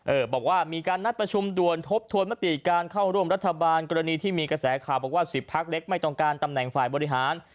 บอกว่ามีการนัดประชุมด่วนทบทวนมติการเข้าร่วมรัฐบาลกรณีที่มีกระแสข่าวบอกว่าสิบพักเล็กไม่ต้องการตำแหน่งฝ่ายบริหาร